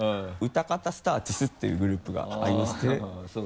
泡沫スターチスっていうグループがありまして。